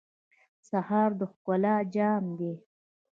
سهار د ښکلا جام دی.